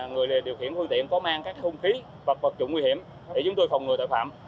người điều khiển vân tiện có mang các khung khí và vật trụng nguy hiểm để chúng tôi phòng ngừa tội phạm